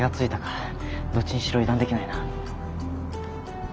どっちにしろ油断できないな。